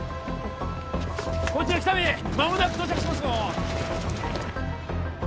こちら喜多見間もなく到着しますよ